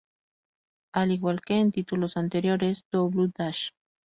Al igual que en títulos anteriores, "Double Dash!!